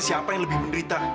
siapa yang lebih menderita